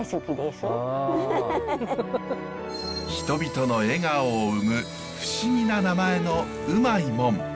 人々の笑顔を生む不思議な名前のウマいモン。